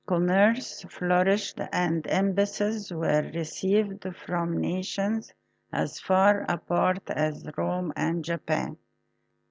Commerce flourished and embassies were received from nations as far apart as Rome and Japan.